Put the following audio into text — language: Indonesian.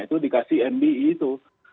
itu dikasih mbe itu